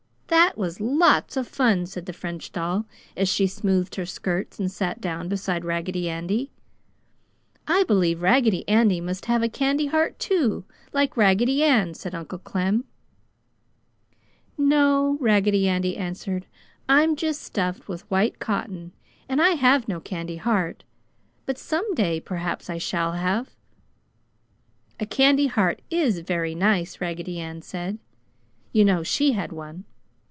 "That was lots of fun!" said the French doll, as she smoothed her skirts and sat down beside Raggedy Andy. "I believe Raggedy Andy must have a candy heart too, like Raggedy Ann!" said Uncle Clem. "No!" Raggedy Andy answered, "I'm just stuffed with white cotton and I have no candy heart, but some day perhaps I shall have!" "A candy heart is very nice!" Raggedy Ann said. (You know, she had one.)